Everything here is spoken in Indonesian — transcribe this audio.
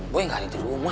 boy gak lagi tidur di rumah